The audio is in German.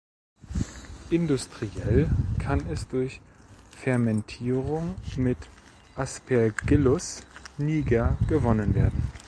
Industriell kann es durch Fermentierung mit Aspergillus niger gewonnen werden.